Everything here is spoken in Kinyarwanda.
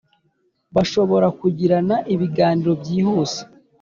bashobora kugirana ibiganiro byihuse